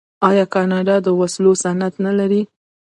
آیا کاناډا د وسلو صنعت نلري؟